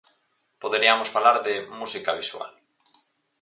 Poderiamos falar de "música visual".